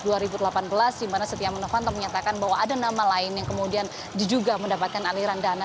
di mana setia novanto menyatakan bahwa ada nama lain yang kemudian diduga mendapatkan aliran dana